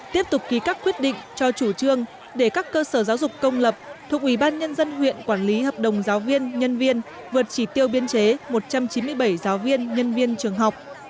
tiếp tục ký các quyết định cho chủ trương để các cơ sở giáo dục công lập thuộc ủy ban nhân dân huyện quản lý hợp đồng giáo viên nhân viên vượt chỉ tiêu biên chế một trăm chín mươi bảy giáo viên nhân viên trường học